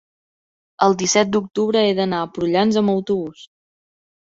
el disset d'octubre he d'anar a Prullans amb autobús.